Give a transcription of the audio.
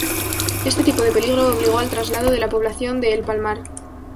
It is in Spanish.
Este tipo de peligro obligó al traslado de la población de El Palmar.